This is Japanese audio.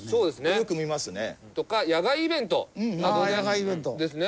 よく見ますね。とか野外イベントなどでですね。